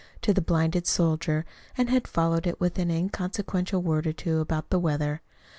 to the blinded soldier, and had followed it with an inconsequential word or two about the weather.